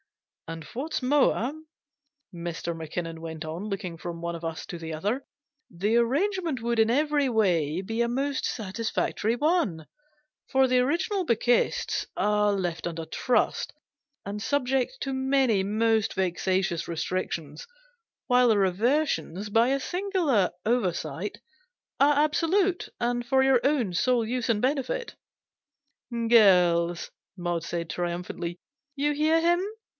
" And what's more," Mr. Mackinnon went on, looking from one of us to the other, " the arrangement would in every way be a most satisfactory one : for the original bequests are left under trust, and subject to many most 348 GENERAL PASSAVANT^S WILL. vexatious restrictions ; while the reversions, by a singular oversight, are absolute, and for your own sole use and benefit." " Girls," Maud said, triumphantly, "you hear him.